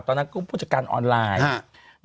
ตอนนั้นก็ผู้จัดการออนไลน์